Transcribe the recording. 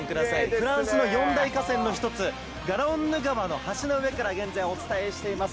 フランスの四大河川の一つ、ガロンヌ川の橋の上から現在、お伝えしています。